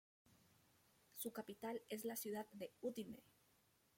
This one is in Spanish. Su capital es la ciudad de Udine.